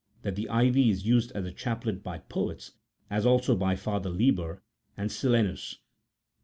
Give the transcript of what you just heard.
403 that the ivy is used as a chaplet by poets, as also by Father Liber and Silemis